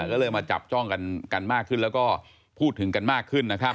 ก็เลยมาจับจ้องกันมากขึ้นแล้วก็พูดถึงกันมากขึ้นนะครับ